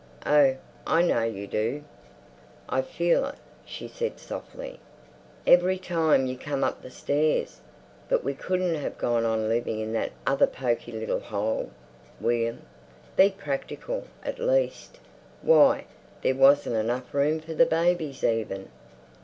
Oh, I know you do. I feel it," she said softly, "every time you come up the stairs. But we couldn't have gone on living in that other poky little hole, William. Be practical, at least! Why, there wasn't enough room for the babies even."